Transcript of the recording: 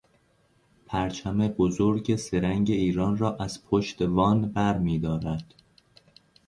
پرچم بزرگ سه رنگ ایران را از پشت وان بر میدارد